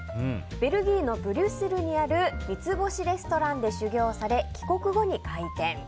ベルギーのブリュッセルにある三つ星レストランで修業され、帰国後に開店。